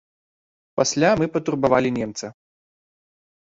Пасля мы патурбавалі немца.